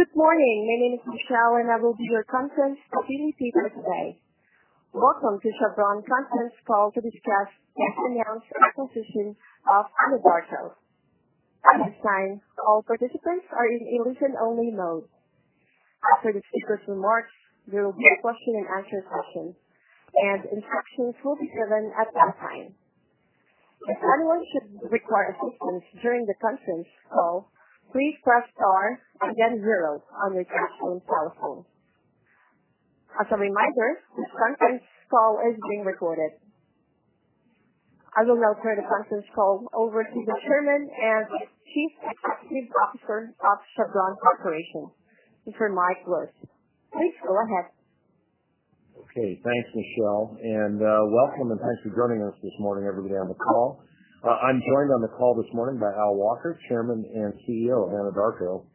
Good morning. My name is Michelle, and I will be your conference operator for today. Welcome to Chevron's conference call to discuss and announce the acquisition of Anadarko. At this time, all participants are in a listen-only mode. After the speakers' remarks, there will be a question-and-answer session, and instructions will be given at that time. If anyone should require assistance during the conference call, please press star and then zero on your touchtone telephone. As a reminder, this conference call is being recorded. I will now turn the conference call over to the chairman and chief executive officer of Chevron Corporation, Mr. Mike Wirth. Please go ahead. Okay. Thanks, Michelle, and welcome, and thanks for joining us this morning, everybody on the call. I'm joined on the call this morning by Al Walker, chairman and CEO of Anadarko.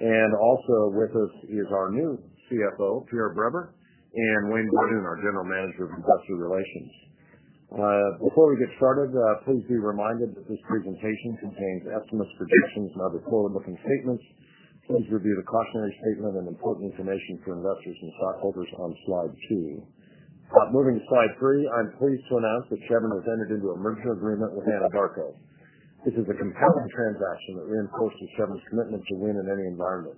Also with us is our new CFO, Pierre Breber, and Wayne Borduin, our general manager of investor relations. Before we get started, please be reminded that this presentation contains estimates, projections, and other forward-looking statements. Please review the cautionary statement and important information for investors and stockholders on slide two. Moving to slide three, I'm pleased to announce that Chevron has entered into a merger agreement with Anadarko. This is a compelling transaction that reinforces Chevron's commitment to win in any environment.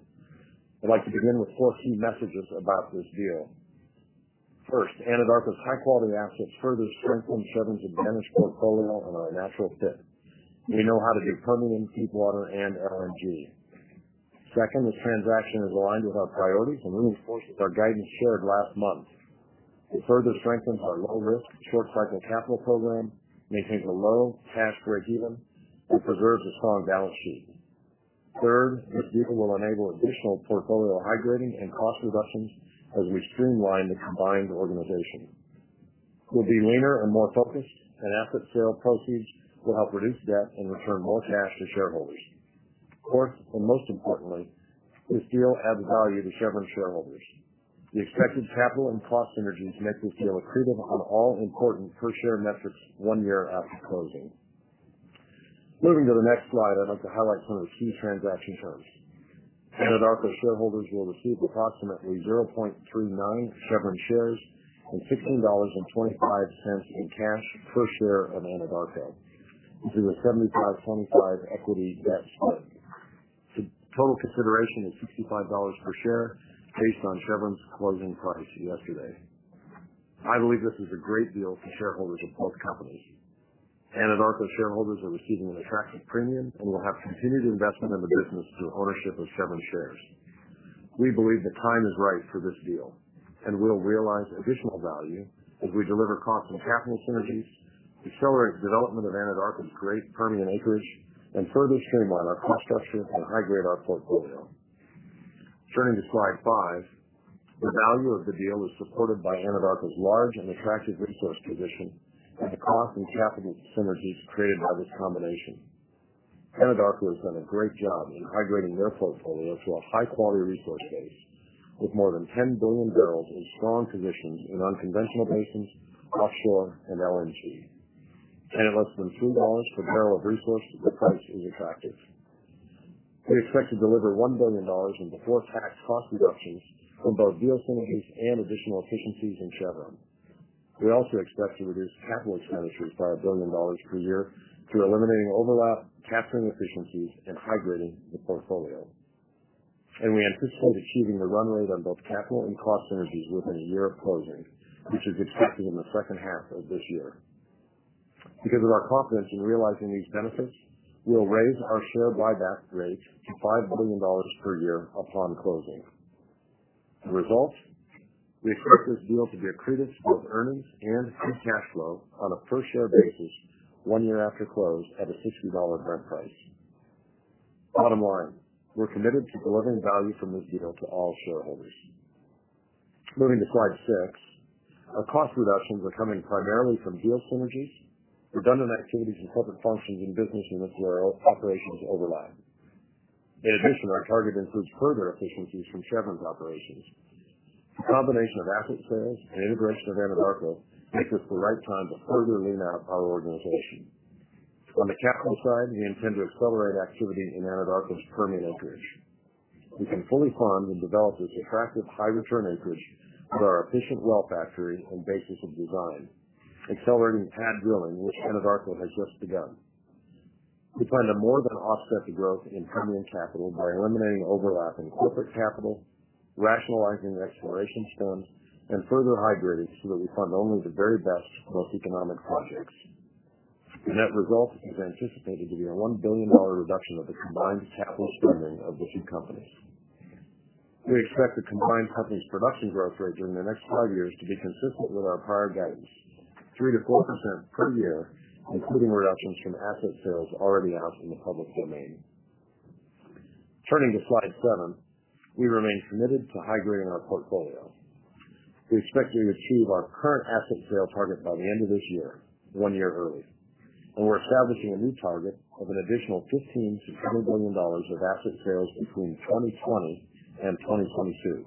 I'd like to begin with four key messages about this deal. First, Anadarko's high-quality assets further strengthen Chevron's advantage portfolio. Are a natural fit. We know how to do Permian, Deepwater, and LNG. Second, this transaction is aligned with our priorities and reinforces our guidance shared last month. It further strengthens our low-risk, short-cycle capital program, maintains a low cash breakeven, and preserves a strong balance sheet. Third, this deal will enable additional portfolio high-grading and cost reductions as we streamline the combined organization. We'll be leaner and more focused. Asset sale proceeds will help reduce debt and return more cash to shareholders. Fourth, most importantly, this deal adds value to Chevron shareholders. The expected capital and cost synergies make this deal accretive on all important per-share metrics one year after closing. Moving to the next slide, I'd like to highlight some of the key transaction terms. Anadarko shareholders will receive approximately 0.39 Chevron shares and $16.25 in cash per share of Anadarko. This is a 75-25 equity debt split. The total consideration is $65 per share based on Chevron's closing price yesterday. I believe this is a great deal for shareholders of both companies. Anadarko shareholders are receiving an attractive premium and will have continued investment in the business through ownership of Chevron shares. We believe the time is right for this deal. We'll realize additional value as we deliver cost and capital synergies, accelerate development of Anadarko's great Permian acreage, further streamline our cost structure and high-grade our portfolio. Turning to slide five, the value of the deal is supported by Anadarko's large and attractive resource position. The cost and capital synergies created by this combination. Anadarko has done a great job in high-grading their portfolio to a high-quality resource base with more than 10 billion barrels in strong positions in unconventional basins, offshore, and LNG. At less than $2 per barrel of resource, the price is attractive. We expect to deliver $1 billion in before-tax cost reductions from both deal synergies and additional efficiencies in Chevron. We also expect to reduce capital expenditures by $1 billion per year through eliminating overlap, capturing efficiencies, and high-grading the portfolio. We anticipate achieving the run rate on both capital and cost synergies within a year of closing, which is expected in the second half of this year. Because of our confidence in realizing these benefits, we'll raise our share buyback rate to $5 billion per year upon closing. As a result, we expect this deal to be accretive to both earnings and free cash flow on a per-share basis one year after close at a $60 Brent price. Bottom line, we're committed to delivering value from this deal to all shareholders. Moving to slide six, our cost reductions are coming primarily from deal synergies, redundant activities in corporate functions and business units where our operations overlap. In addition, our target includes further efficiencies from Chevron's operations. The combination of asset sales and integration of Anadarko makes this the right time to further lean out our organization. On the capital side, we intend to accelerate activity in Anadarko's Permian acreage. We can fully fund and develop this attractive high-return acreage with our efficient well factory and basis of design, accelerating pad drilling, which Anadarko has just begun. We plan to more than offset the growth in Permian capital by eliminating overlap in corporate capital, rationalizing exploration spend, and further high-grading so that we fund only the very best, most economic projects. The net result is anticipated to be a $1 billion reduction of the combined capital spending of the two companies. We expect the combined company's production growth rate during the next five years to be consistent with our prior guidance, 3%-4% per year, including reductions from asset sales already out in the public domain. Turning to slide seven, we remain committed to high-grading our portfolio. We expect to achieve our current asset sale target by the end of this year, one year early, and we're establishing a new target of an additional $15 billion-$20 billion of asset sales between 2020 and 2022.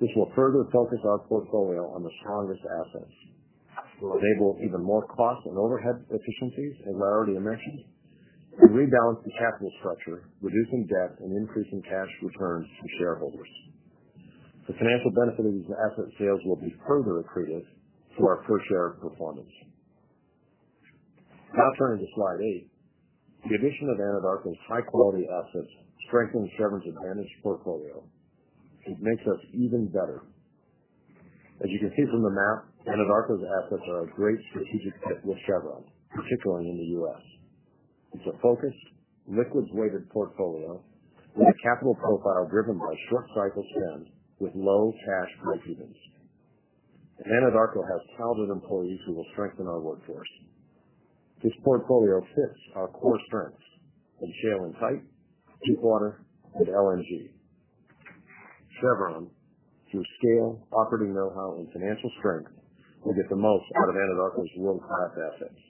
This will further focus our portfolio on the strongest assets. It will enable even more cost and overhead efficiencies, as I already mentioned. It rebalances capital structure, reducing debt and increasing cash returns to shareholders. The financial benefit of these asset sales will be further accretive to our per share performance. Turning to slide eight. The addition of Anadarko's high-quality assets strengthens Chevron's advantage portfolio. It makes us even better. As you can see from the map, Anadarko's assets are a great strategic fit with Chevron, particularly in the U.S. It's a focused, liquids-weighted portfolio with a capital profile driven by short cycle spans with low cash breakevens. Anadarko has talented employees who will strengthen our workforce. This portfolio fits our core strengths in shale and tight, deepwater, and LNG. Chevron, through scale, operating know-how, and financial strength, will get the most out of Anadarko's world-class assets.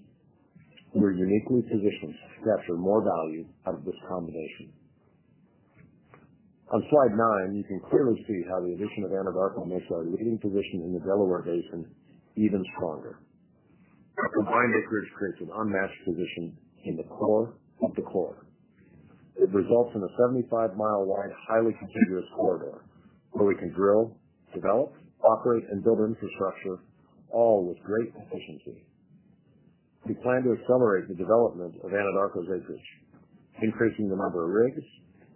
We are uniquely positioned to capture more value out of this combination. On slide nine, you can clearly see how the addition of Anadarko makes our leading position in the Delaware Basin even stronger. Our combined acreage creates an unmatched position in the core of the core. It results in a 75-mile wide, highly contiguous corridor where we can drill, develop, operate, and build infrastructure, all with great efficiency. We plan to accelerate the development of Anadarko's acreage, increasing the number of rigs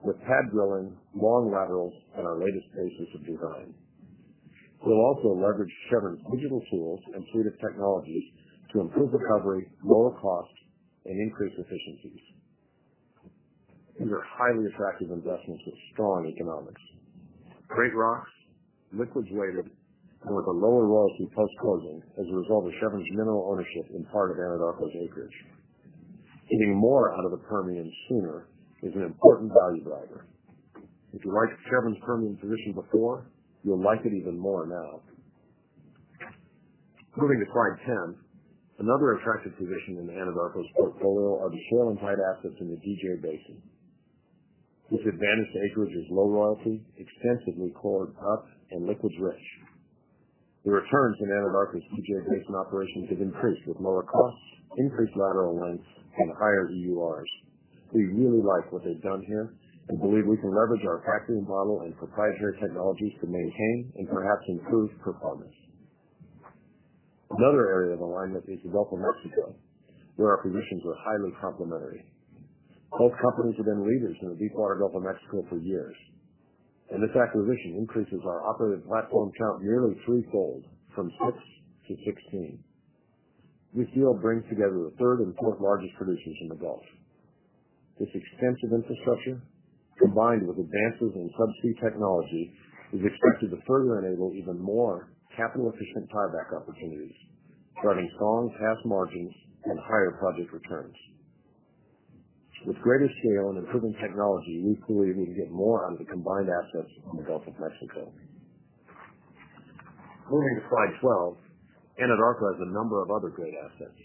with pad drilling, long laterals, and our latest paces of design. We'll also leverage Chevron's digital tools and suite of technologies to improve recovery, lower costs, and increase efficiencies. These are highly attractive investments with strong economics. Great rocks, liquids-weighted, and with a lower royalty post-closing as a result of Chevron's minimal ownership in part of Anadarko's acreage. Getting more out of the Permian sooner is an important value driver. If you liked Chevron's Permian position before, you'll like it even more now. Moving to slide 10. Another attractive position in Anadarko's portfolio are the shale and tight assets in the DJ Basin. This advantaged acreage is low royalty, extensively coiled up, and liquids rich. The returns in Anadarko's DJ Basin operations have increased with lower costs, increased lateral lengths, and higher EURs. We really like what they've done here and believe we can leverage our operating model and proprietary technologies to maintain and perhaps improve performance. Another area of alignment is the Gulf of Mexico, where our positions are highly complementary. Both companies have been leaders in the Deepwater Gulf of Mexico for years, and this acquisition increases our operated platform count nearly threefold from six to 16. This deal brings together the third and fourth largest producers in the Gulf. This extensive infrastructure, combined with advances in subsea technology, is expected to further enable even more capital-efficient tieback opportunities, driving strong cash margins and higher project returns. With greater scale and improving technology, we believe we can get more out of the combined assets in the Gulf of Mexico. Moving to slide 12. Anadarko has a number of other great assets.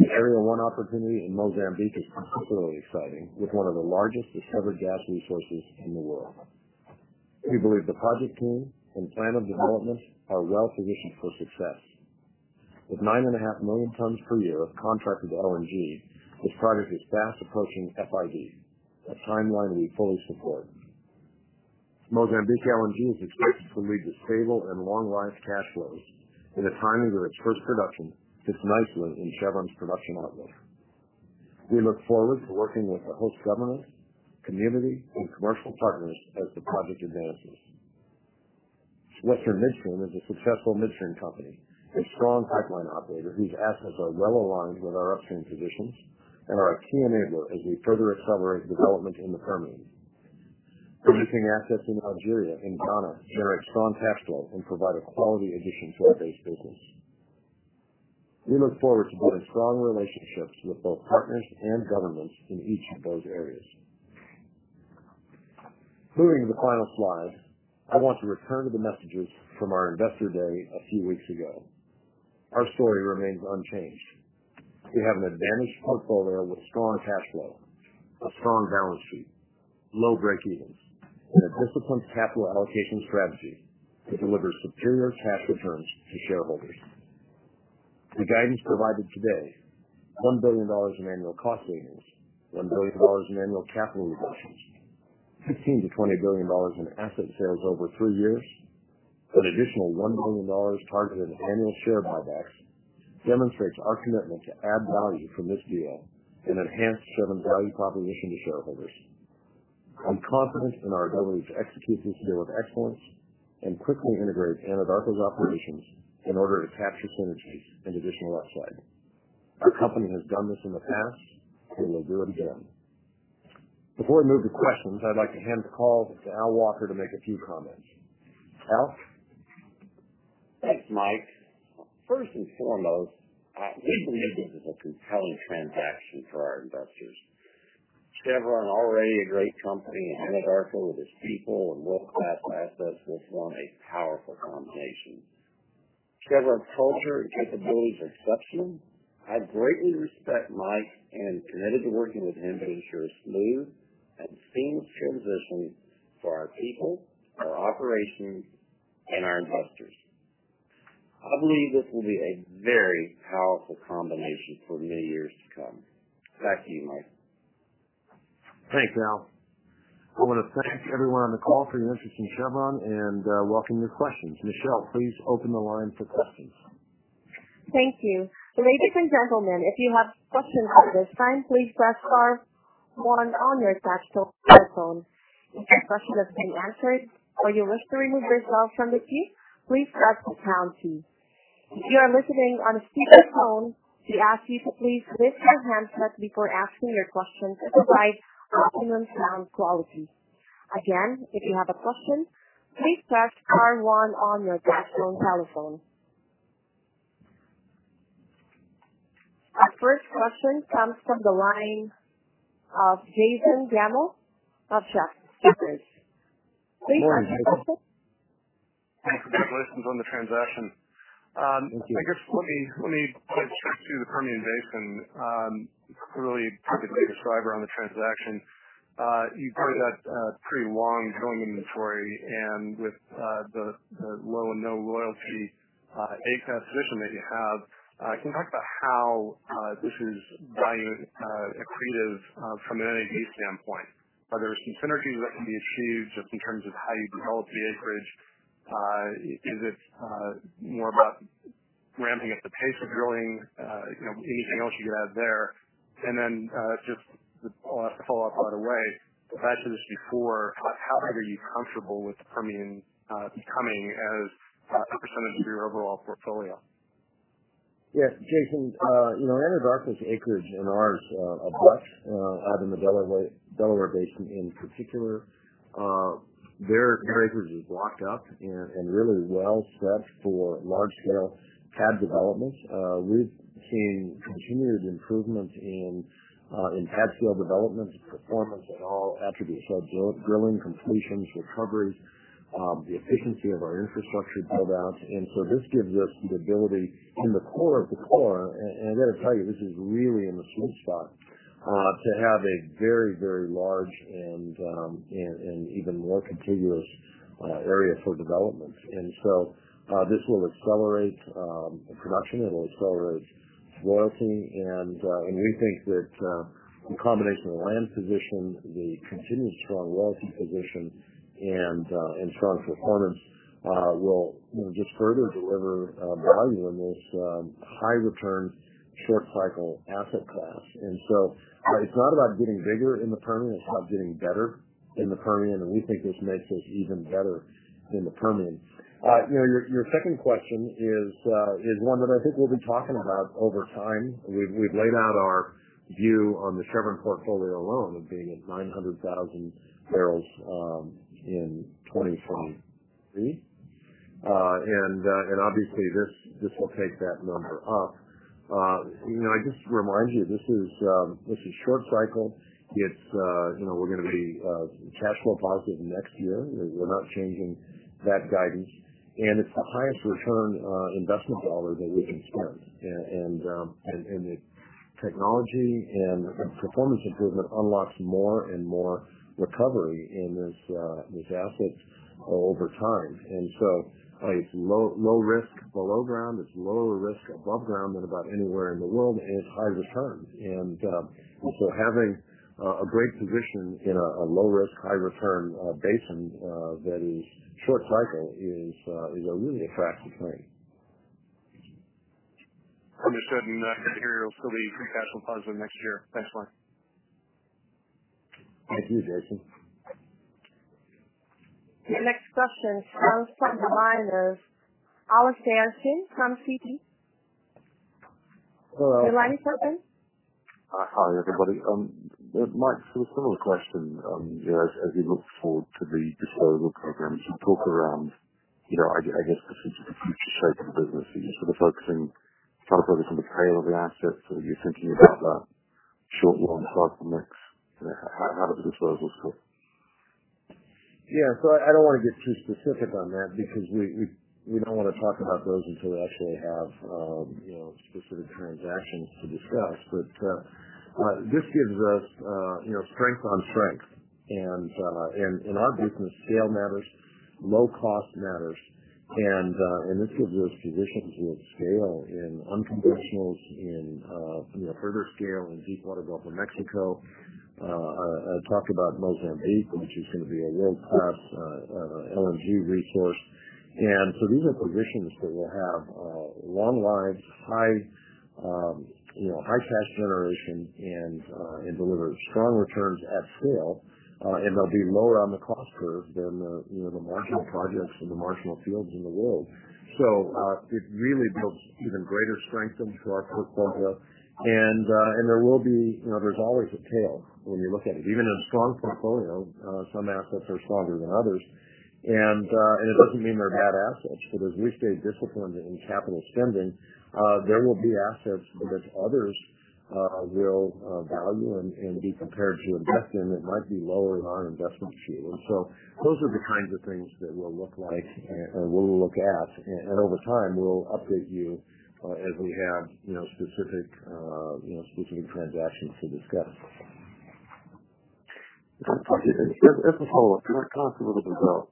The Area 1 opportunity in Mozambique is particularly exciting, with one of the largest discovered gas resources in the world. We believe the project team and plan of development are well-positioned for success. With nine and a half million tons per year of contracted LNG, this project is fast approaching FID, a timeline we fully support. Mozambique LNG is expected to lead to stable and long-lived cash flows in a timing where its first production fits nicely in Chevron's production outlook. We look forward to working with the host government, community, and commercial partners as the project advances. Western Midstream is a successful midstream company, a strong pipeline operator whose assets are well-aligned with our upstream positions and are a key enabler as we further accelerate development in the Permian. Producing assets in Algeria and Ghana generate strong cash flow and provide a quality addition to our base business. We look forward to building strong relationships with both partners and governments in each of those areas. Moving to the final slide, I want to return to the messages from our investor day a few weeks ago. Our story remains unchanged. We have an advantaged portfolio with strong cash flow, a strong balance sheet, low breakevens, and a disciplined capital allocation strategy that delivers superior cash returns to shareholders. The guidance provided today, $1 billion in annual cost savings, $1 billion in annual capital reductions, $15 billion-$20 billion in asset sales over 3 years, an additional $1 billion targeted in annual share buybacks, demonstrates our commitment to add value from this deal and enhance Chevron's value proposition to shareholders. I'm confident in our ability to execute this deal with excellence and quickly integrate Anadarko's operations in order to capture synergies and additional upside. Our company has done this in the past, and we'll do it again. Before I move to questions, I'd like to hand the call to Al Walker to make a few comments. Al? Thanks, Mike. First and foremost, we believe this is a compelling transaction for our investors. Chevron, already a great company, and Anadarko with its people and world-class assets will form a powerful combination. Chevron culture is indeed exceptional. I greatly respect Mike and am committed to working with him to ensure a smooth and seamless transition for our people, our operations, and our investors. I believe this will be a very powerful combination for many years to come. Back to you, Mike. Thanks, Al. We want to thank everyone on the call for your interest in Chevron and welcome your questions. Michelle, please open the line for questions. Thank you. Ladies and gentlemen, if you have questions at this time, please press star one on your touch-tone telephone. If your question has been answered or you wish to remove yourself from the queue, please press the pound key. If you are listening on a speakerphone, we ask you to please mute your handsets before asking your question to provide optimum sound quality. Again, if you have a question, please press star one on your touch-tone telephone. Our first question comes from the line of Jason Gammel of Jefferies. Please proceed. Morning, Jason. Thanks. Congratulations on the transaction. Thank you. I guess, let me go straight to the Permian Basin. Clearly, it's a big driver on the transaction. You pointed out pretty long drilling inventory and with the low and no royalty acreage position that you have, can you talk about how this is value-accretive from an NAV standpoint? Are there some synergies that can be achieved just in terms of how you develop the acreage? Is it more about ramping up the pace of drilling? Anything else you could add there? Then, just the follow-up right away. I've asked you this before, how are you comfortable with the Permian becoming as a % of your overall portfolio? Yeah, Jason, Anadarko's acreage and ours abut out in the Delaware Basin in particular. Their acreage is blocked up and really well-set for large-scale pad development. We've seen continued improvement in pad scale development performance at all attributes. Drilling, completions, recoveries, the efficiency of our infrastructure build-out. This gives us the ability in the core of the core, and I got to tell you, this is really in the sweet spot, to have a very large and even more contiguous area for development. This will accelerate production, it'll accelerate royalty, and we think that the combination of land position, the continued strong royalty position, and strong performance will just further deliver value in this high return, short cycle asset class. It's not about getting bigger in the Permian, it's about getting better in the Permian, and we think this makes us even better in the Permian. Your second question is one that I think we'll be talking about over time. We've laid out our view on the Chevron portfolio alone of being at 900,000 barrels in 2023. Obviously, this will take that number up. I just remind you, this is short cycle. We're going to be cash flow positive next year. We're not changing that guidance. It's the highest return investment dollar that we can spend. The technology and performance improvement unlocks more and more recovery in these assets over time. It's low risk below ground, it's lower risk above ground than about anywhere in the world, and it's high return. Having a great position in a low risk, high return basin that is short cycle is a really attractive thing. Understood, that area will still be cash flow positive next year. Thanks, Mike. Thank you, Jason. The next question comes from the line of Alastair Syme from Citi. Your line is open. Hi, everybody. Mike, sort of similar question. As you look forward to the disposal programs, you talk around, I guess this is the future shape of the business. Are you sort of focusing on the tail of the assets? Are you thinking about short long cycle mix? How does the disposal sit? Yeah. I don't want to get too specific on that because we don't want to talk about those until we actually have specific transactions to discuss. This gives us strength on strength, and in our business, scale matters, low cost matters, and this gives us position to add scale in unconventionals, in further scale in Deepwater Gulf of Mexico. I talked about Mozambique, which is going to be a world-class LNG resource. These are positions that will have long lives, high cash generation, and deliver strong returns at scale. They'll be lower on the cost curve than the marginal projects and the marginal fields in the world. It really builds even greater strength into our portfolio. There's always a tail when you look at it. Even in a strong portfolio, some assets are stronger than others. It doesn't mean they're bad assets, as we stay disciplined in capital spending, there will be assets that others will value and be prepared to invest in that might be lower in our investment sheet. Those are the kinds of things that we'll look at. Over time, we'll update you as we have specific transactions to discuss. As a follow-up, can I ask a little bit about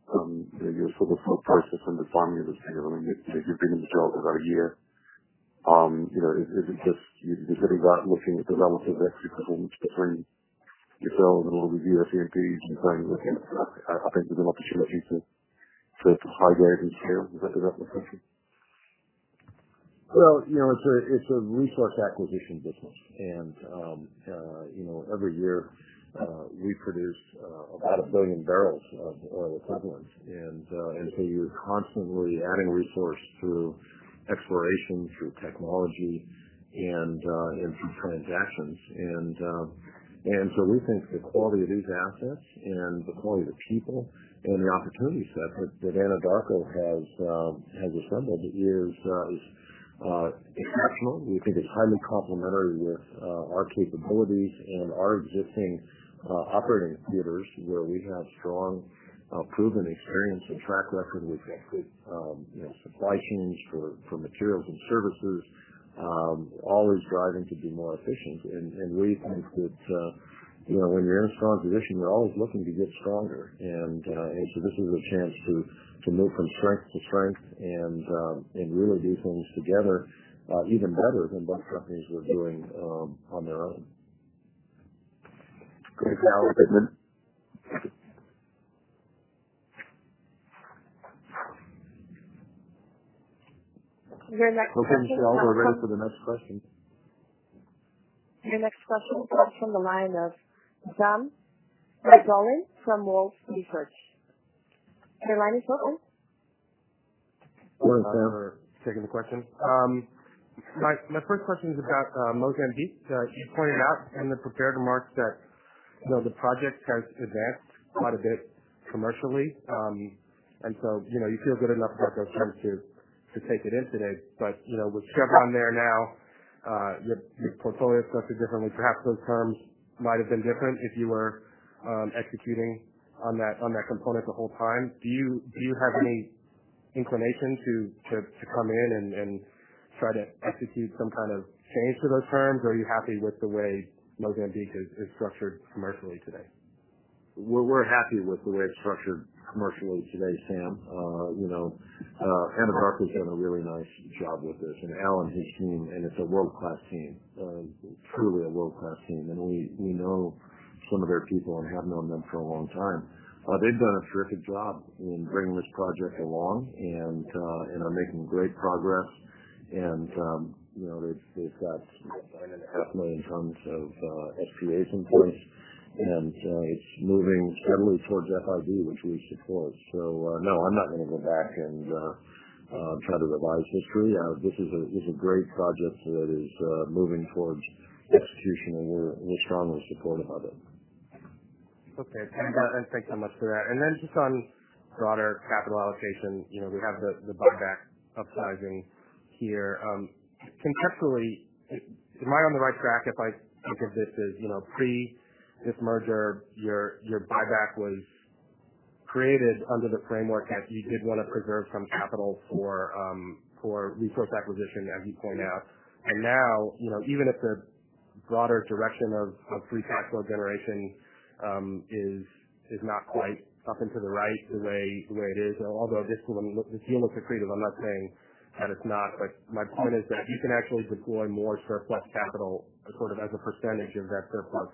your thought process in defining this deal? You've been in the job about a year. Is it just you're sitting back looking at the relative execution between yourselves and all of your peers and saying, "Look, I think there's an opportunity to aggregate here." Is that a rough approximation? Well, it's a resource acquisition business. Every year, we produce about 1 billion barrels of equivalent. You're constantly adding resource through exploration, through technology, and through transactions. We think the quality of these assets and the quality of the people and the opportunity set that Anadarko has assembled is exceptional. We think it's highly complementary with our capabilities and our existing operating theaters, where we have strong proven experience and track record. We've got good supply chains for materials and services, always driving to be more efficient. We think that when you're in a strong position, you're always looking to get stronger. This is a chance to move from strength to strength and really do things together even better than both companies were doing on their own. Great. Thank you. Okay, Michelle, we're ready for the next question. Your next question comes from the line of Sam Margolin from Wolfe Research. Your line is open. Go ahead, Sam. Thanks for taking the question. My first question is about Mozambique. You pointed out in the prepared remarks that the project has advanced quite a bit commercially. So, you feel good enough about those terms to take it in today. With Chevron there now, your portfolio is structured differently. Perhaps those terms might have been different if you were executing on that component the whole time. Do you have any inclination to come in and try to execute some kind of change to those terms, or are you happy with the way Mozambique is structured commercially today? We're happy with the way it's structured commercially today, Sam. Anadarko's done a really nice job with this, and Al, his team, and it's a world-class team, truly a world-class team. We know some of their people and have known them for a long time. They've done a terrific job in bringing this project along and are making great progress. They've got significant terms of SPAs in place, and it's moving steadily towards FID, which we support. No, I'm not going to go back and try to revise history. This is a great project that is moving towards execution, and we're strongly supportive of it. Okay. Thanks so much for that. Then just on broader capital allocation, we have the buyback upsizing here. Contextually, am I on the right track if I think of this as pre this merger, your buyback was created under the framework as you did want to preserve some capital for resource acquisition, as you point out. Now, even if the broader direction of free cash flow generation is not quite up and to the right the way it is. Although this deal looks accretive, I'm not saying that it's not. My point is that you can actually deploy more surplus capital, sort of as a percentage of that surplus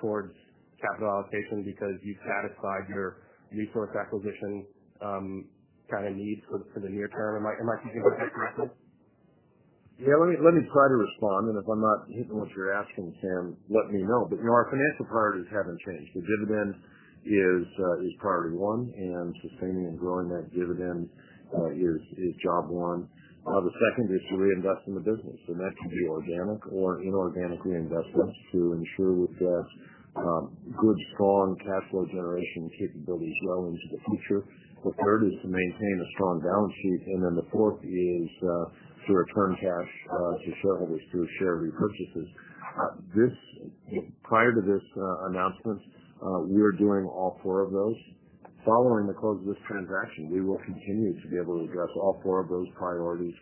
towards capital allocation because you've satisfied your resource acquisition needs for the near term. Am I thinking about that correctly? Yeah, let me try to respond, and if I'm not hitting what you're asking, Sam, let me know. Our financial priorities haven't changed. The dividend is priority one, and sustaining and growing that dividend is job one. The second is to reinvest in the business, and that can be organic or inorganic reinvestment to ensure we've got good, strong cash flow generation capabilities well into the future. The third is to maintain a strong balance sheet, and then the fourth is to return cash to shareholders through share repurchases. Prior to this announcement, we were doing all four of those. Following the close of this transaction, we will continue to be able to address all four of those priorities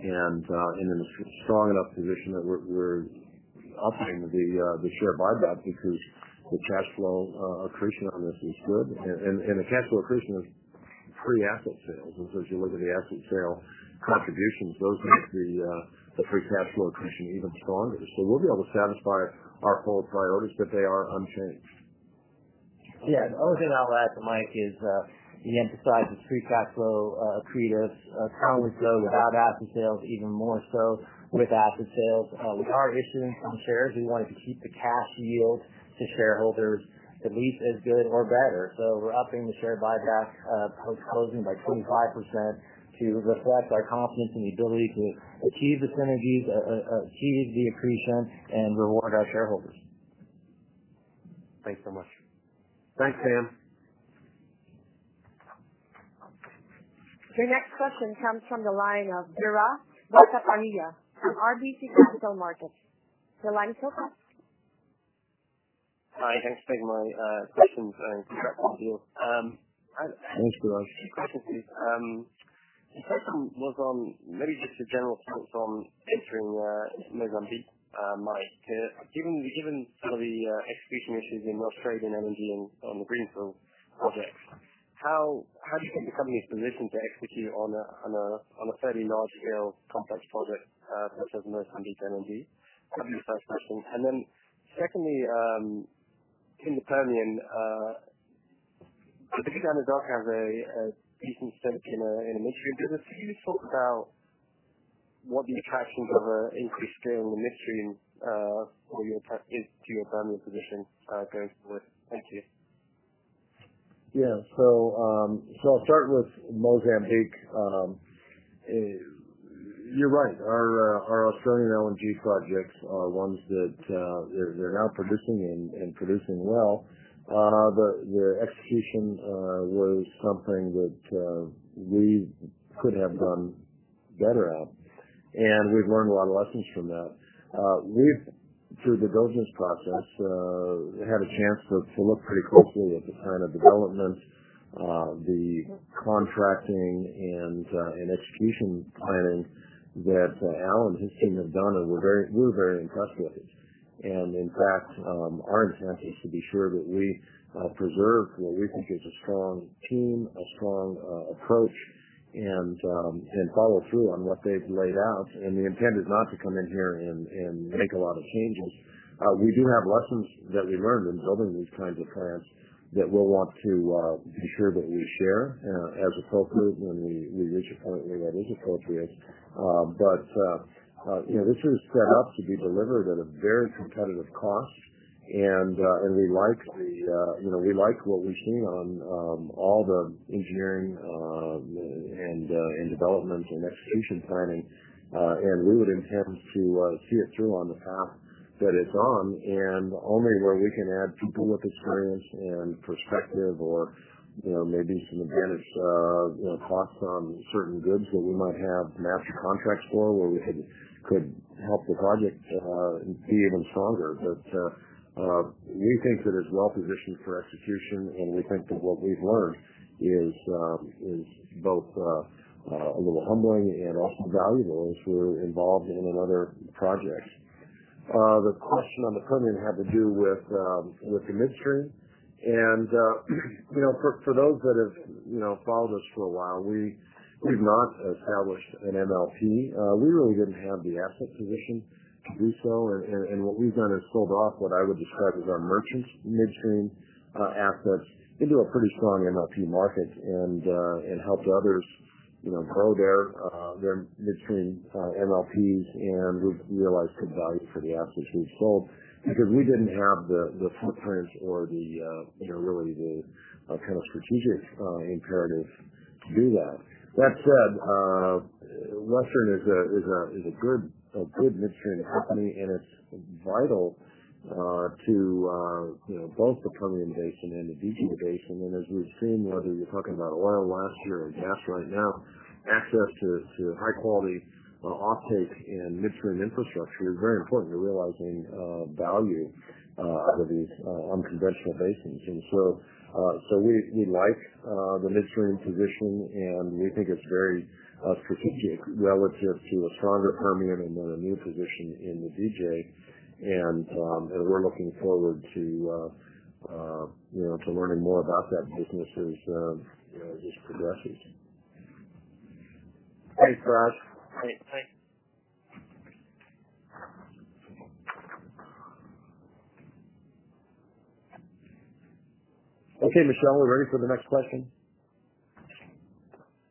and in a strong enough position that we're upping the share buyback because the cash flow accretion on this is good. The cash flow accretion is pre-asset sales. As you look at the asset sale contributions, those make the free cash flow accretion even stronger. We'll be able to satisfy our full priorities, but they are unchanged. Yeah. The only thing I'll add to Mike is he emphasized it's free cash flow accretive currently, though, without asset sales, even more so with asset sales. We are issuing some shares. We wanted to keep the cash yield to shareholders at least as good or better. We're upping the share buyback post-closing by 25% to reflect our confidence in the ability to achieve the synergies, achieve the accretion, and reward our shareholders. Thanks so much. Thanks, Sam. Your next question comes from the line of Biraj Borkhataria from RBC Capital Markets. Your line is open. Hi. Thanks for taking my questions. Thanks, Biraj. The second was on maybe just a general comment on entering Mozambique, Mike. Given some of the execution issues in Australian LNG on the greenfield projects, how do you think the company's positioned to execute on a fairly large-scale complex project such as Mozambique LNG? That would be the first question. Secondly, in the Permian, I think Anadarko has a decent stake in a midstream business. Can you talk about what the attractions of an increased stake in the midstream or your interest is to your Permian position going forward? Thank you. Yeah. I'll start with Mozambique. You're right. Our Australian LNG projects are ones that they're now producing and producing well. Their execution was something that we could have done better at, and we've learned a lot of lessons from that. We've, through the diligence process, had a chance to look pretty closely at the kind of development, the contracting, and execution planning that Al and his team have done, and we're very impressed with it. In fact, our intent is to be sure that we preserve what we think is a strong team, a strong approach, and follow through on what they've laid out, and the intent is not to come in here and make a lot of changes. We do have lessons that we learned in building these kinds of plants that we'll want to be sure that we share as appropriate when we reach a point where that is appropriate. This is set up to be delivered at a very competitive cost, and we like what we've seen on all the engineering and development and execution planning. We would intend to see it through on the path that it's on, and only where we can add people with experience and perspective or maybe some advantage cost on certain goods that we might have matched contracts for where we could help the project be even stronger. We think that it's well-positioned for execution, and we think that what we've learned is both a little humbling and also valuable as we're involved in other projects. The question on the Permian had to do with the midstream. For those that have followed us for a while, we've not established an MLP. We really didn't have the asset position to do so. What we've done is sold off what I would describe as our merchant midstream assets into a pretty strong MLP market and helped others grow their midstream MLPs. We've realized good value for the assets we've sold because we didn't have the footprint or really the kind of strategic imperative to do that. That said, Western is a good midstream company, and it's vital to both the Permian Basin and the DJ Basin. As we've seen, whether you're talking about oil last year or gas right now, access to high-quality offtake and midstream infrastructure is very important to realizing value out of these unconventional basins. We like the midstream position, and we think it's very strategic relative to a stronger Permian and a new position in the DJ. We're looking forward to learning more about that business as it progresses. Thanks, guys. Okay, Michelle, we're ready for the next question.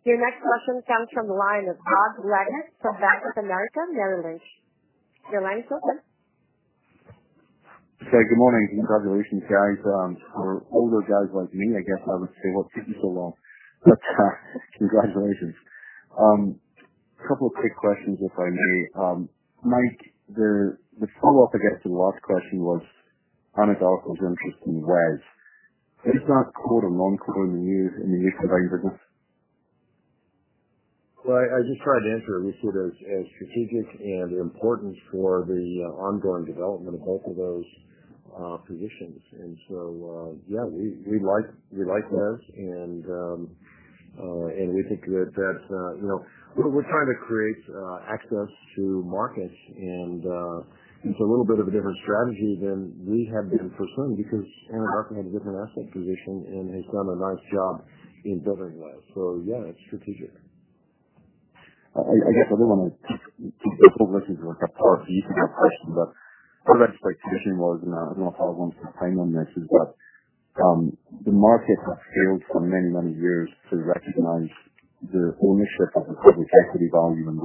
Your next question comes from the line of Doug Leggate from Bank of America, Merrill Lynch. Your line is open. Okay, good morning. Congratulations, guys, for older guys like me, I guess I would say, "What took you so long?" Congratulations. Couple of quick questions, if I may. Mike, the follow-up, I guess, to the last question was Anadarko's interest in WES. Is that core or non-core in the new combined business? Well, I just tried to answer it. We see it as strategic and important for the ongoing development of both of those positions. Yeah, we like WES, and we think that we're trying to create access to markets, and it's a little bit of a different strategy than we have been pursuing because Anadarko had a different asset position and has done a nice job in building that. Yeah, it's strategic. I guess I didn't want to keep pushing for an answer to that question. What I'd like to say traditionally was, I don't know if I want to opine on this, is that the market has failed for many, many years to recognize the ownership of the public equity value in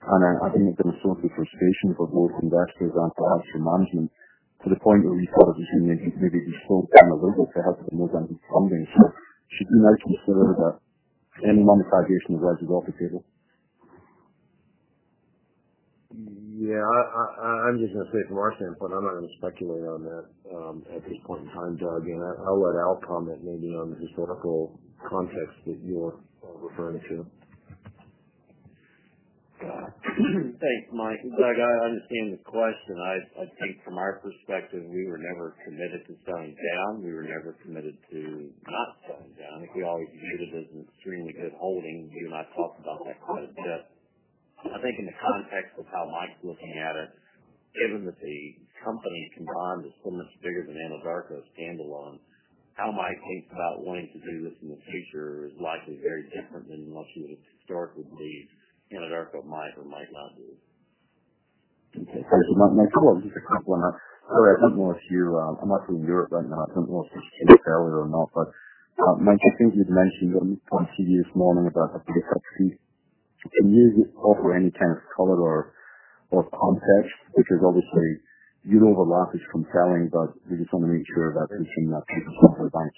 WES. I think there's been a source of frustration for both investors and perhaps for management to the point where you sort of assume that maybe it's still kind of legal to have the Mozambique problem being solved. Should we make any consideration of WES as well, perhaps? Yeah. I'm just going to say it from our standpoint. I'm not going to speculate on that at this point in time, Jarrod. Again, I'll let Al comment maybe on the historical context that you're referring to. Thanks, Mike. Doug, I understand the question. I think from our perspective, we were never committed to selling down. We were never committed to not selling down. I think we always viewed it as an extremely good holding. You and I talked about that quite a bit. I think in the context of how Mike's looking at it, given that the company combined is so much bigger than Anadarko standalone, how Mike thinks about wanting to do this in the future is likely very different than what he would historically Anadarko might or might not do. Okay. Thanks. Mike, just a quick one. Sorry, I don't know if you I'm actually in Europe right now. I don't know if this came through earlier or not, Mike, I think you'd mentioned one or two years morning about a breakup fee. Can you offer any kind of color or context? Because, obviously, your overlap is compelling, but we just want to make sure that we can take this one to the bank?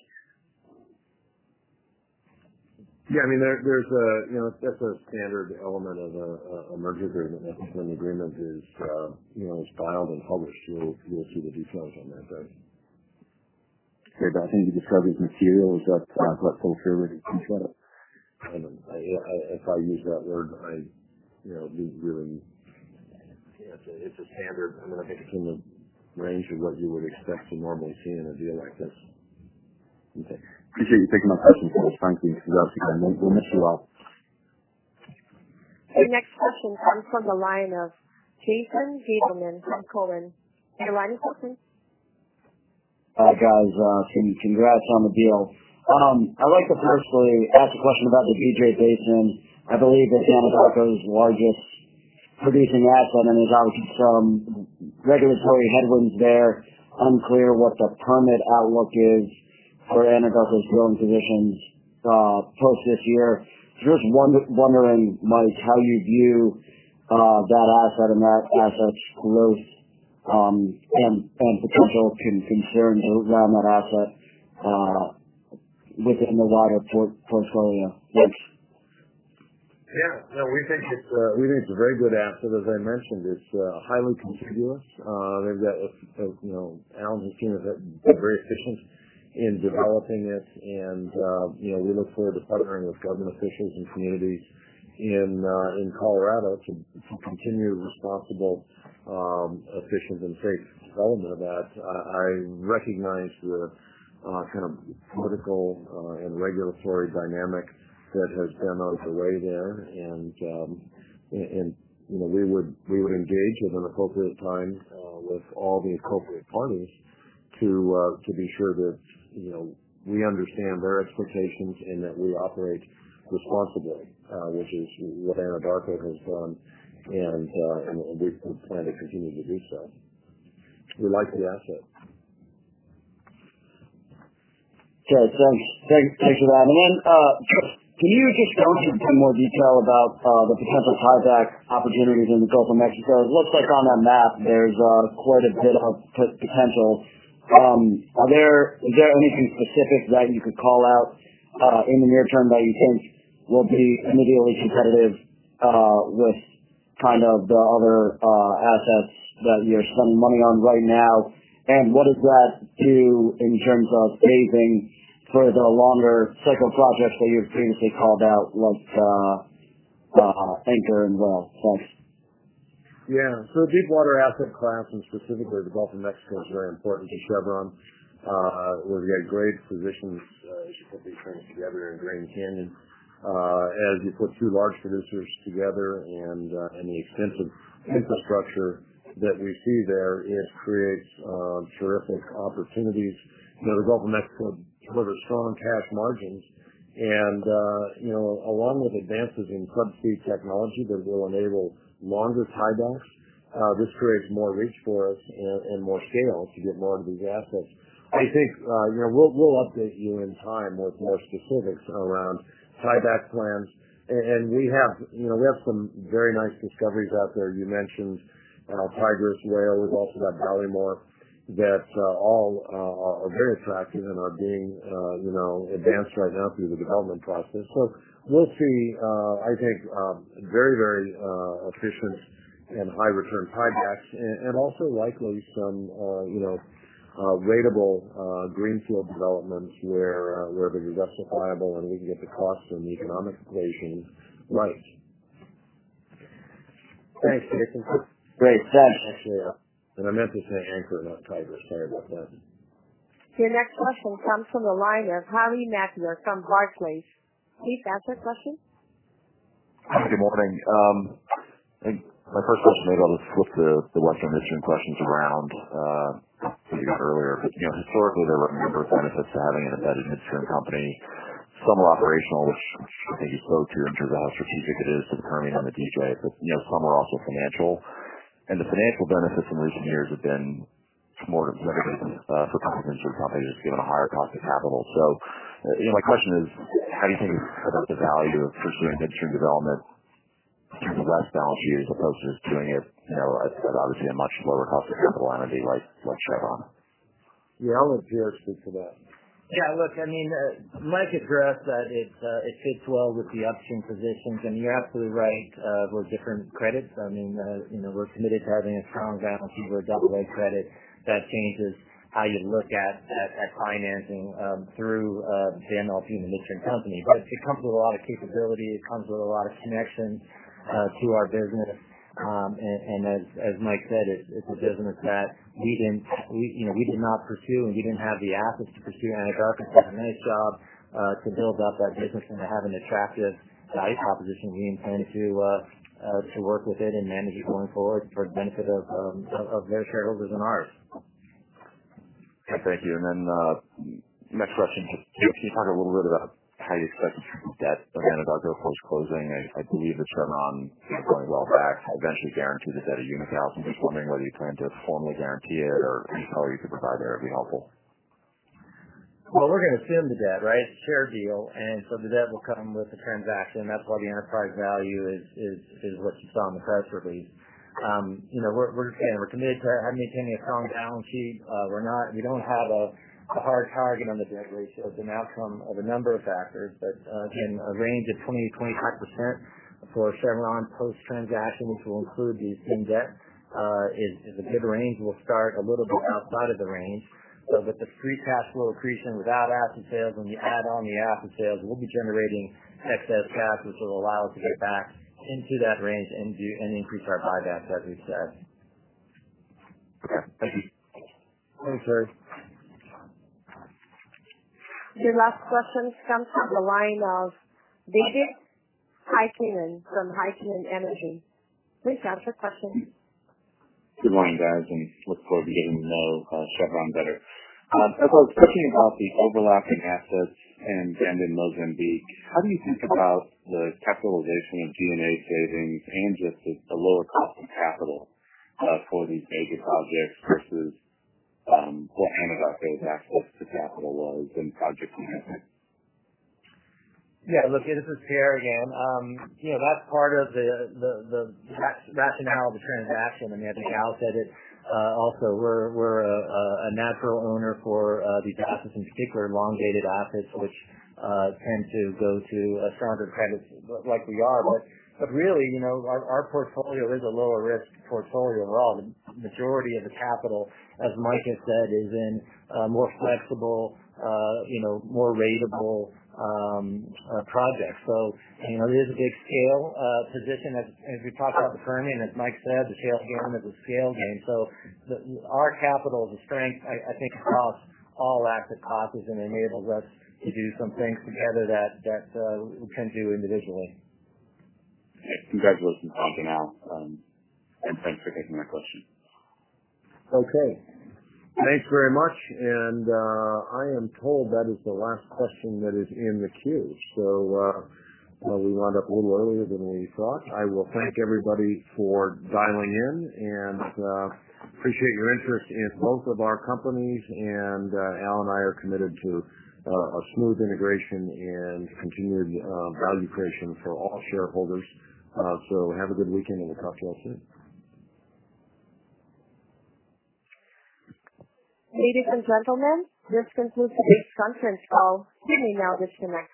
Yeah, that's a standard element of a merger agreement. I think when the agreement is filed and published, you'll see the details on that. Okay. I think you described it as material. Is that what full term would be considered? If I use that word, it's a standard. I mean, I think it's in the range of what you would expect to normally see in a deal like this. Okay. Appreciate you taking my question, fellas. Thanks. We'll miss you all. Your next question comes from the line of Jason Gabelman from Cowen. Your line is open. Hi, guys. Congrats on the deal. I'd like to personally ask a question about the DJ Basin. I believe it's Anadarko's largest producing asset. There's obviously some regulatory headwinds there. Unclear what the permit outlook is for Anadarko's drilling positions post this year. Just wondering, Mike, how you view that asset and that asset's growth, and potential concern around that asset within the wider portfolio mix. Yeah. No, we think it's a very good asset. As I mentioned, it's highly contiguous. They've got, as you know, Al and team have been very efficient in developing it, and we look forward to partnering with government officials and communities in Colorado to continue responsible, efficient, and safe development of that. I recognize the political and regulatory dynamic that has been out of the way there. We would engage within appropriate time with all the appropriate parties to be sure that we understand their expectations and that we operate responsibly which is what Anadarko has done, and we plan to continue to do so. We like the asset. Okay, thanks. Thanks for that. Then, can you just go into a bit more detail about the potential tieback opportunities in the Gulf of Mexico? It looks like on that map there's quite a bit of potential. Is there anything specific that you could call out in the near term that you think will be immediately competitive with the other assets that you're spending money on right now? What does that do in terms of phasing for the longer cycle projects that you've previously called out, like Anchor and Whale? Thanks. Yeah. Deepwater asset class, and specifically the Gulf of Mexico, is very important to Chevron. We've got great positions as you put these things together in Grand Canyon. As you put two large producers together and the extensive infrastructure that we see there, it creates terrific opportunities. The Gulf of Mexico has delivered strong cash margins and along with advances in subsea technology that will enable longer tiebacks, this creates more reach for us and more scale to get more of these assets. I think we'll update you in time with more specifics around tieback plans. And we have some very nice discoveries out there. You mentioned Tigris Whale. We've also got Ballymore. That all are very attractive and are being advanced right now through the development process. We'll see, I think, very efficient and high return tiebacks and also likely some ratable greenfield developments where the economics are viable, and we can get the cost and the economic equation right. Thanks, Jason. Great. Thanks. I meant to say Anchor, not Tigris. Sorry about that. Your next question comes from the line of Harry Mateer from Barclays. Please ask your question. Good morning. My first question, maybe I'll just flip to the one from the interim questions around that we got earlier. Historically, there were a number of benefits to having an embedded midstream company, some are operational, which I think you spoke to in terms of how strategic it is to the permitting on the DJ. Some are also financial. The financial benefits in recent years have been more negative for companies than companies given a higher cost of capital. My question is, how do you think about the value of pursuing midstream development through WES Balance Sheet as opposed to doing it at obviously a much lower cost of capital entity like Chevron? Yeah, I'll let Pierre speak to that. Yeah, look, Mike addressed that it fits well with the upstream positions, and you're absolutely right about different credits. We're committed to having a strong balance sheet with a double A credit. That changes how you look at that financing through Anadarko and the midstream company. It comes with a lot of capability. It comes with a lot of connections to our business. As Mike said, it's a business that we did not pursue, and we didn't have the assets to pursue Anadarko. They've done a nice job to build up that business and to have an attractive value proposition. We intend to work with it and manage it going forward for the benefit of their shareholders and ours. Okay. Thank you. Next question. Could you talk a little bit about how you expect to treat the debt of Anadarko post-closing? I believe Chevron is going to eventually guarantee the debt of Unocal. I'm just wondering whether you plan to formally guarantee it or any color you could provide there would be helpful. Well, we're going to assume the debt. It's a share deal, the debt will come with the transaction. That's why the enterprise value is what you saw in the press release. We're just saying we're committed to maintaining a strong balance sheet. We don't have a hard target on the debt ratio. It's an outcome of a number of factors. Again, a range of 20%-25% for Chevron post-transaction, which will include the assumed debt, is a good range. We'll start a little bit outside of the range. With the free cash flow accretion without asset sales, when you add on the asset sales, we'll be generating excess cash, which will allow us to get back into that range and increase our buybacks, as we've said. Thank you. Thanks, Harry. Your last question comes from the line of Vijay Hiken from Hiken Energy. Please ask your question. Good morning, guys, and look forward to getting to know Chevron better. Talking about the overlapping assets and then in Mozambique, how do you think about the capitalization of G&A savings and just the lower cost of capital for these mega projects versus what Anadarko's actual capital was in project management? Yeah, look, this is Pierre again. That's part of the rationale of the transaction. I think Al said it also. We're a natural owner for these assets, in particular elongated assets, which tend to go to a stronger credit like we are. Really, our portfolio is a lower risk portfolio overall. The majority of the capital, as Mike has said, is in more flexible, more ratable projects. It is a big scale position as we talk about the Permian, as Mike said, the shale game is a scale game. Our capital is a strength, I think, across all asset classes, and enables us to do some things together that we couldn't do individually. Congratulations on to Al. Thanks for taking my question. Okay. Thanks very much. I am told that is the last question that is in the queue. We wound up a little earlier than we thought. I will thank everybody for dialing in, and appreciate your interest in both of our companies. Al and I are committed to a smooth integration and continued value creation for all shareholders. Have a good weekend, and we'll talk to you all soon. Ladies and gentlemen, this concludes the conference call. You may now disconnect.